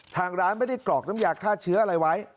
ทางร้านไม่ได้กรอกน้ำยาฆ่าเชื้ออะไรไว้